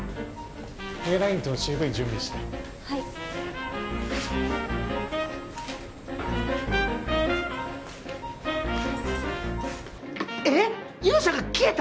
ＡラインとＣＶ準備してはいえっ勇者が消えた！？